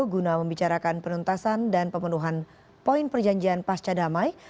guna membicarakan penuntasan dan pemenuhan poin perjanjian pasca damai